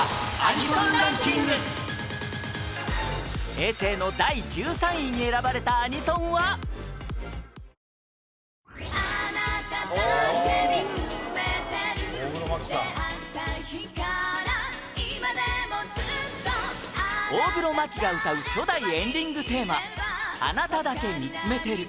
平成の第１３位に選ばれたアニソンは大黒摩季が歌う初代エンディングテーマ『あなただけ見つめてる』